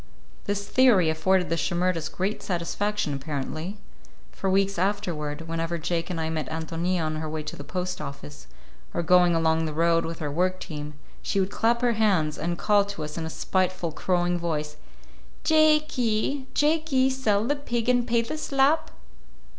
This theory afforded the Shimerdas great satisfaction, apparently. For weeks afterward, whenever Jake and I met Ántonia on her way to the post office, or going along the road with her work team, she would clap her hands and call to us in a spiteful, crowing voice:— "Jake y, Jake y, sell the pig and pay the slap!"